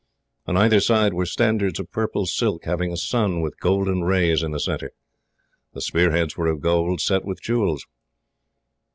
On either side were standards of purple silk, having a sun with gold rays in the centre. The spear heads were of gold, set with jewels.